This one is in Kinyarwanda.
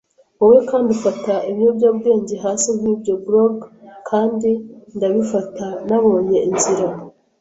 wowe kandi ufata ibiyobyabwenge hasi nkibyo grog. Kandi ndabifata Nabonye inzira